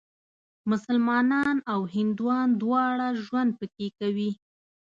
مسلمانان او هندوان دواړه ژوند پکې کوي.